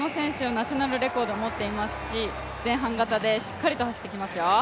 ナショナルレコードを持っていますし、前半型でしっかりと走ってきますよ。